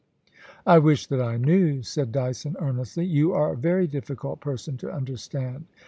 * I wish that I knew,' said Dyson, earnestly. * You are a very difficult person to understand.'